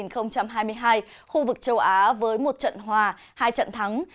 khu vực châu á với một trận hòa hai trận thắng